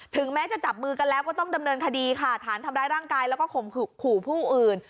แม้จะจับมือกันแล้วก็ต้องดำเนินคดีค่ะฐานทำร้ายร่างกายแล้วก็ข่มขู่ผู้อื่น